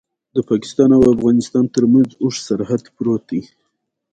ازادي راډیو د روغتیا په اړه د حل کولو لپاره وړاندیزونه کړي.